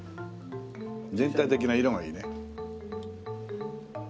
全体的な色がいいね。